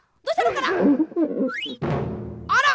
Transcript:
あら！